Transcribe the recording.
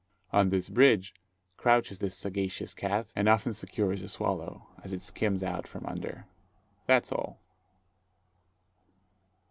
On this bridge crouches this sagacious cat, and often secures a swallow, as it skims out from under. That's all.